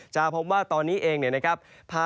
จะพบว่าตอนนี้เองเนี่ยนะครับ